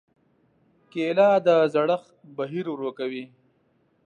کېله د زړښت بهیر ورو کوي.